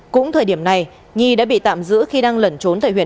cũng thời điểm này nhi đã bị tạm giữ khi đang lẩn trốn